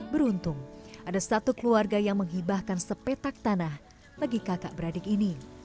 beruntung ada satu keluarga yang menghibahkan sepetak tanah bagi kakak beradik ini